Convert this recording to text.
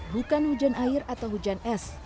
bukan hujan air atau hujan es